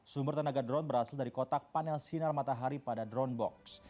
sumber tenaga drone berasal dari kotak panel sinar matahari pada drone box